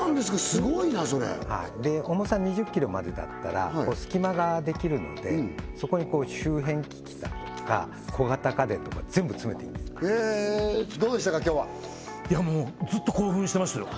スゴいなそれ重さ２０ｋｇまでだったら隙間ができるのでそこに周辺機器だとか小型家電とか全部詰めていいんですへえどうでしたか今日はいやもうずっと興奮してましたよ